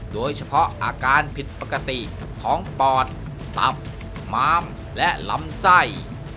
โดยเฉพาะอาการผิดปกติของปอดตับม้ามและลำไส้